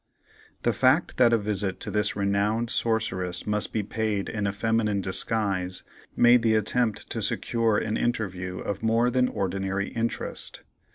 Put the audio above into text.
The fact that a visit to this renowned sorceress must be paid in a feminine disguise, made the attempt to secure an interview of more than ordinary interest.